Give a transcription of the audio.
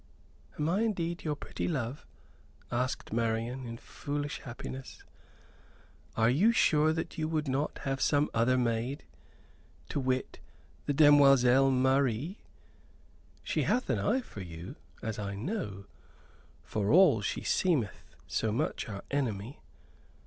"Am I indeed your pretty love?" asked Marian, in foolish happiness; "are you sure that you would not have some other maid to wit, the demoiselle Marie? She hath an eye for you, as I know for all she seemeth so much our enemy.